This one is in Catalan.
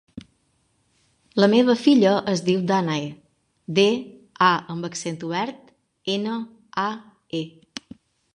La meva filla es diu Dànae: de, a amb accent obert, ena, a, e.